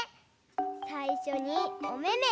さいしょにおめめ。